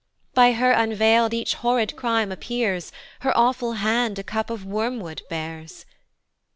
By her unveil'd each horrid crime appears, Her awful hand a cup of wormwood bears.